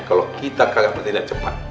kalau kita kangen bertindak cepat